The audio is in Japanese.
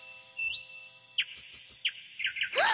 ・あっ！？